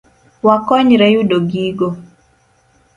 Wakonyre yudo gigo